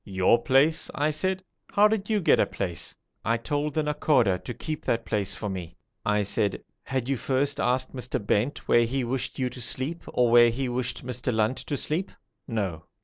'Your place!' I said. 'How did you get a place?' 'I told the Nakhoda to keep that place for me.' I said, 'Had you first asked Mr. Bent where he wished you to sleep or where he wished Mr. Lunt to sleep?' 'No.'